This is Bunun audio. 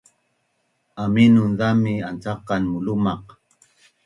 Aminun zami ancaqan mulumaq